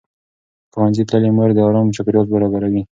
ښوونځې تللې مور د ارام چاپېریال برابروي.